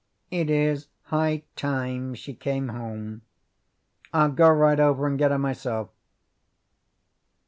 "It is high time she came home. I'll go right over and get her myself."